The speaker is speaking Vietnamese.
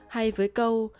hay với câu